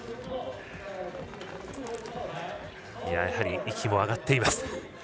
やはり、息も上がっています。